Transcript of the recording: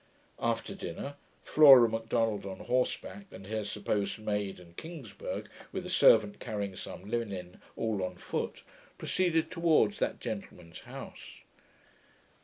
After dinner, Flora Macdonald on horseback, and her supposed maid, and Kingsburgh, with a servant carrying some linen, all on foot, proceeded towards that gentleman's house.